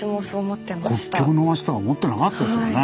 国境の町とは思ってなかったですよね。